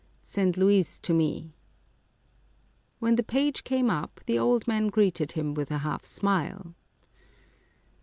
" Send Luis to me." When the page came up, the old man greeted him with a half smile.